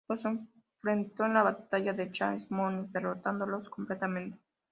Los enfrentó en la batalla de Chascomús, derrotándolos completamente.